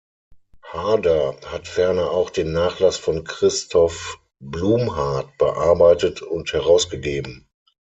Harder hat ferner auch den Nachlass von Christoph Blumhardt bearbeitet und herausgegeben.